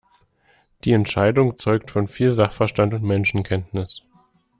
Die Entscheidung zeugt von viel Sachverstand und Menschenkenntnis.